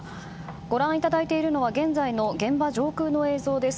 ご覧いただいているのは現在の現場上空の映像です。